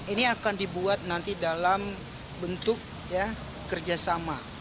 ini akan dibuat nanti dalam bentuk kerjasama